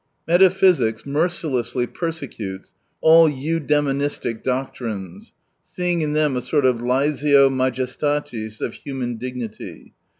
— Metaphysics mercilessly persecutes all eudaemonistic doc trines, seeing in them a sort of laesio majestatis of human dignity.